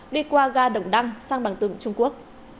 đi qua ga đồng đăng sang bằng tường trung quốc